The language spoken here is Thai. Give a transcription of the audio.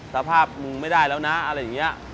สภาพมึงไม่ได้แล้วนะ